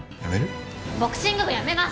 やめる？